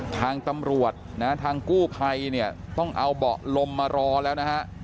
ทางตำรวจนะฮะทางกู้ภัยเนี่ยต้องเอาเบาะลมมารอแล้วนะฮะ